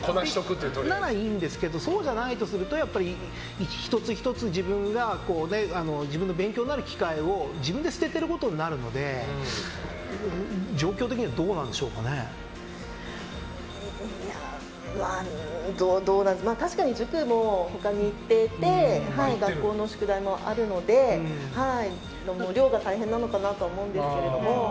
それならいいんですけどそうじゃないとすると１つ１つ自分の勉強になる機会を自分で捨ててることになるので確かに塾も他に行っていて学校の宿題もあるので量が大変なのかなとは思うんですけど。